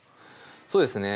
そうですね